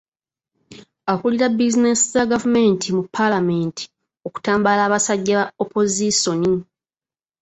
Akulira bbizineesi za gavumenti mu Paalamenti okutambaala abasajja ba Opozisoni.